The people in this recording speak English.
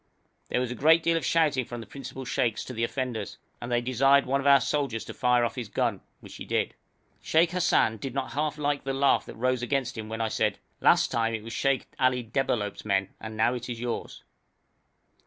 There was a great deal of shouting from the principal sheikhs to the offenders, and they desired one of the soldiers to fire off his gun, which he did. Sheikh Hassan did not half like the laugh that rose against him when I said, 'Last time it was Sheikh Ali Debalohp's men, and now it is yours.'